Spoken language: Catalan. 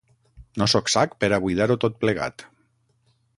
No sóc sac per a buidar-lo tot plegat.